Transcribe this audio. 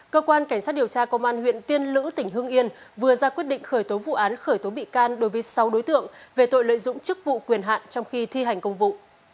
cơ quan cảnh sát điều tra công an huyện tiên lữ tỉnh hương yên vừa ra quyết định khởi tố vụ án khởi tố bị can đối với sáu đối tượng về tội lợi dụng chức vụ quyền hạn trong khi thi hành công vụ